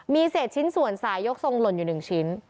มีเศษชิ้นส่วนสายยกทรงหล่นอยู่๑ชิ้น